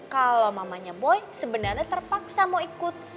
kalau mamanya boy sebenarnya terpaksa mau ikut